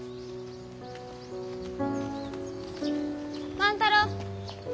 万太郎！